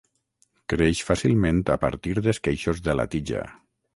Creix fàcilment a partir d'esqueixos de la tija.